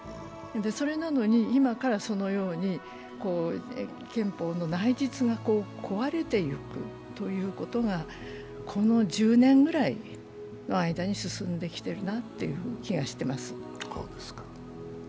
それなのに今からそのように憲法の内実が壊れていくということがこの１０年ぐらいの間に進んできてるなという気がしてます。